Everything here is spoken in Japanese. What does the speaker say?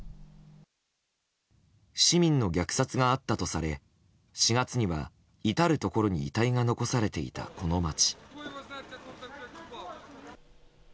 市民の虐殺があったとされ４月には至るところに遺体が残されていたこの街。